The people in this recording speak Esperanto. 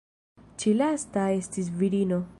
Ĉi lasta estis virino.